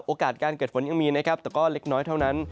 โอกาสการเกิดฝนยังมีแต่เล็กน้อยเท่านั้น